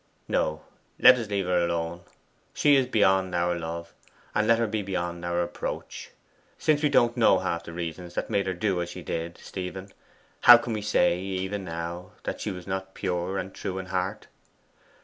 'No: let us leave her alone. She is beyond our love, and let her be beyond our reproach. Since we don't know half the reasons that made her do as she did, Stephen, how can we say, even now, that she was not pure and true in heart?